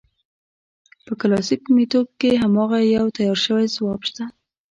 په کلاسیک میتود کې هماغه یو تیار شوی ځواب شته.